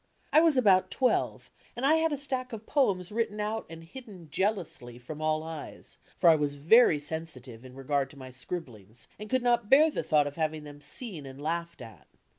I was about twelve and I had a stack of poems wrinen out and hidden jealously from ail eyes, for I was very sensidve tn regard to my scribhlings and could not bear the thought of having them seen and laughed at.